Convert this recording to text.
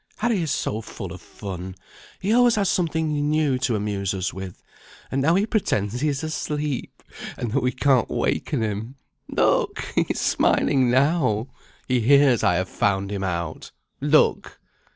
"Harry is so full of fun, he always has something new to amuse us with; and now he pretends he is asleep, and that we can't waken him. Look! he is smiling now; he hears I have found him out. Look!"